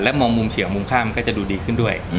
มองมุมเฉียวมุมข้ามมันก็จะดูดีขึ้นด้วย